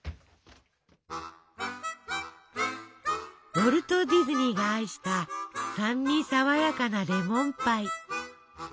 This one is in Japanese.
ウォルト・ディズニーが愛した酸味爽やかなレモンパイ。